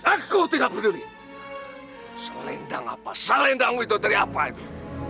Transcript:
aku tidak peduli selendang apa selendang widodari apa ebi